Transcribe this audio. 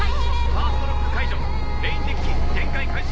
ファーストロック解除メインデッキ展開開始。